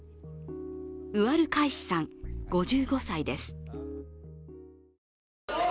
ウアルカイシさん５５歳です。